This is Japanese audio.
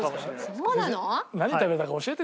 そうなの？